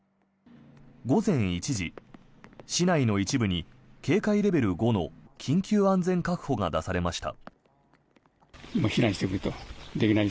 午前１時、市内の一部に警戒レベル５の緊急安全確保が出されました。